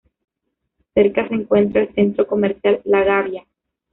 Cerca se encuentra el Centro Comercial La Gavia.